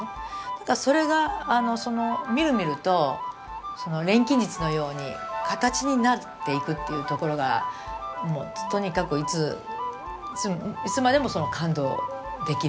何かそれがみるみると錬金術のように形になっていくというところがとにかくいつまでも感動できると。